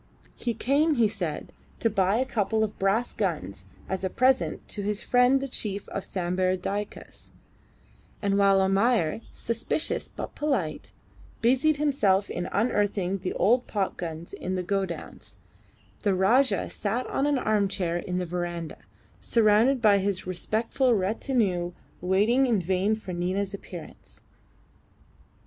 He came, he said, to buy a couple of brass guns as a present to his friend the chief of Sambir Dyaks; and while Almayer, suspicious but polite, busied himself in unearthing the old popguns in the godowns, the Rajah sat on an armchair in the verandah, surrounded by his respectful retinue waiting in vain for Nina's appearance.